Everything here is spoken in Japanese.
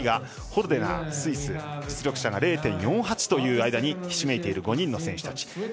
そして５位がホルデナー、スイス実力者が０．４８という間にひしめいている５人の選手たち。